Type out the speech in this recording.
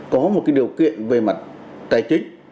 có một cái điều kiện về mặt tài chính